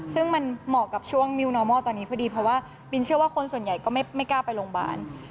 ซึ่งมันเหมาะกับช่วงนิวนอร์มอลตอนนี้พอดีเพราะว่าบินเชื่อว่าคนส่วนใหญ่ก็ไม่กล้าไปโรงพยาบาล